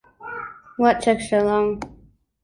What took so long?